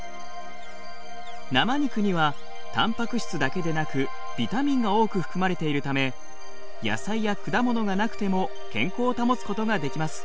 生肉にはたんぱく質だけでなくビタミンが多く含まれているため野菜や果物がなくても健康を保つことができます。